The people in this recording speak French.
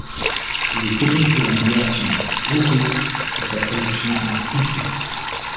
Il est connu par une version hourrite et sa traduction en hittite.